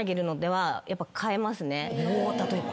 例えば？